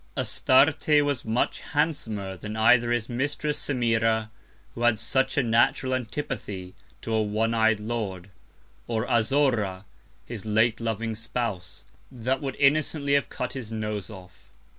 Astarte was much handsomer than either his Mistress Semira, who had such a natural Antipathy to a one eyed Lord, or Azora, his late loving Spouse, that would innocently have cut his Nose off.